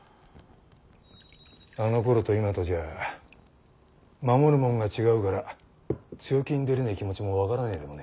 あのころと今とじゃ守るもんが違うから強気に出れねえ気持ちも分からねえ